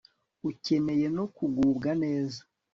ukeneye no kugubwa neza